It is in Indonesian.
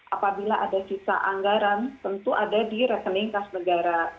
apabila ada sisa anggaran tentu ada di rekening khas negara